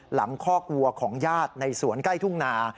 คอกวัวของญาติในสวนใกล้ทุ่งนา